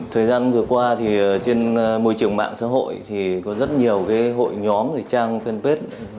thời gian vừa qua trên môi trường mạng xã hội có rất nhiều hội nhóm trang fanpage